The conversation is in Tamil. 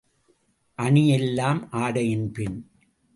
அணி எல்லாம் ஆடையின்பின்.